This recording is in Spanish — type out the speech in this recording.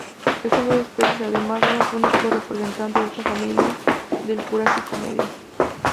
Estas dos especies además son los únicos representantes de esta familia del Jurásico Medio.